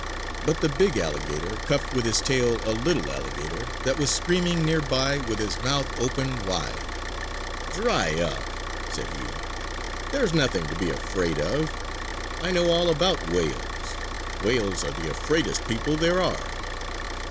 But the big alligator cuffed with his tail a little alligator that was screaming nearby with his mouth open wide. "Dry up!" said he. "There's nothing to be afraid of! I know all about whales! Whales are the afraidest people there are!"